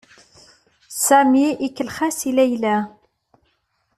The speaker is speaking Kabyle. Sami ikellex-as i Layla.